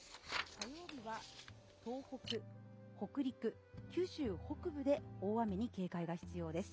火曜日は、東北、北陸九州北部で大雨に警戒が必要です。